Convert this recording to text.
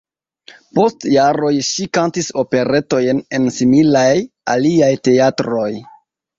Post jaroj ŝi kantis operetojn en similaj aliaj teatroj.